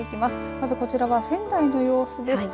まずこちらは仙台の様子です。